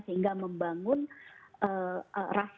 sehingga membangun rasa keseluruhan